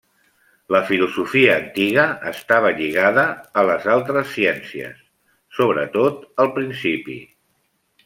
La filosofia antiga estava lligada a les altres ciències, sobretot al principi.